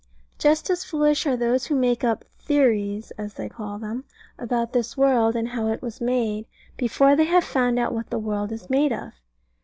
Just as foolish are those who make up "theories" (as they call them) about this world, and how it was made, before they have found out what the world is made of.